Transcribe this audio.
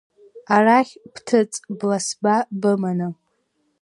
Арахь бҭыҵ бласба быманы…